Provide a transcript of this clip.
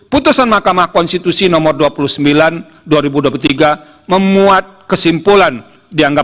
putusan mahkamah konstitusi nomor dua puluh sembilan memuat kesimpulan